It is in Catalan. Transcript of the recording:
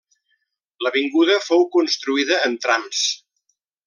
L'avinguda fou construïda en trams.